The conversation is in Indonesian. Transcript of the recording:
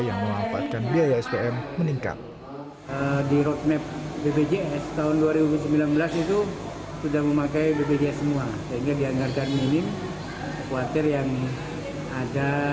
yang melampaukan biaya spm meningkat di roadmap bpjs tahun dua ribu sembilan belas itu sudah memakai bpjs semua sehingga